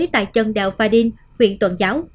tại chân đèo pha đinh huyện tuần giáo